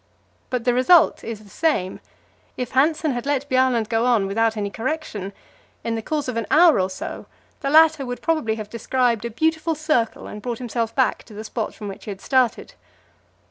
But the result is the same; if Hanssen had let Bjaaland go on without any correction, in the course of an hour or so the latter would probably have described a beautiful circle and brought himself back to the spot from which he had started.